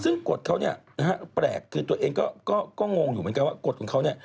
ซึ่งกฎเขาแปลกคือตัวเองก็งงอยู่เหมือนกันว่ากฎของเขา